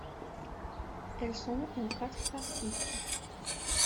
Elles sont en quatre parties.